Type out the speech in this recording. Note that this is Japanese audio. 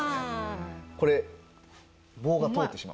これ棒が通ってしまうんです。